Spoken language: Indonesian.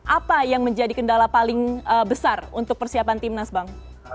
apa yang menjadi kendala paling besar untuk persiapan timnas bang